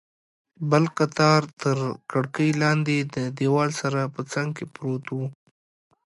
بل قطار تر کړکۍ لاندې، د دیوال سره په څنګ کې پروت و.